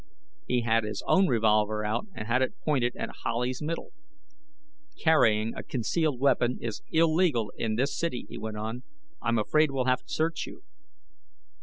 He had his own revolver out and had it pointed at Howley's middle. "Carrying a concealed weapon is illegal in this city," he went on. "I'm afraid we'll have to search you."